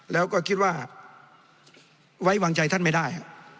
แล้วก็คิดว่าไว้วางใจท่านไม่ได้